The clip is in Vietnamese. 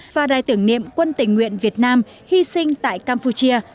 và đài tưởng niệm quân tình nguyện việt nam hy sinh tại campuchia